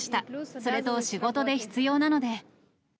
それと仕事で必要なので。